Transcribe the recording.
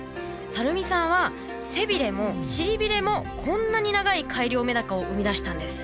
垂水さんは背ビレも尻ビレもこんなに長い改良メダカを生み出したんです。